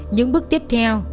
những bước tiếp theo